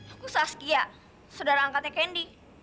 aku saskia saudara angkatnya kendi